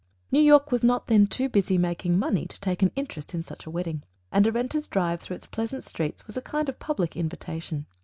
New York was not then too busy making money to take an interest in such a wedding, and Arenta's drive through its pleasant streets was a kind of public invitation.